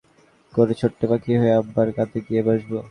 সাগর-মহাসাগর পাড়ি দিয়ে তেমনি করে ছোট্ট পাখি হয়ে আব্বার কাঁধে গিয়ে বসব।